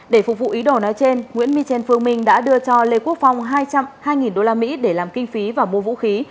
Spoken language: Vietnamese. để phục vụ ý đồ nói trên nguyễn my trên phương minh đã đưa cho lê quốc phong hai trăm hai usd để làm kinh phí và mua vũ khí